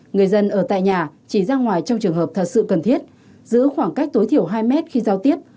người dân ở tại nhà chỉ ra ngoài trong trường hợp thật sự cần thiết giữ khoảng cách tối thiểu hai mét khi giao tiếp